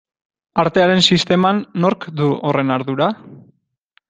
Artearen sisteman nork du horren ardura?